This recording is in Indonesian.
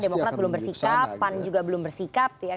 karena demokrat belum bersikap pan juga belum bersikap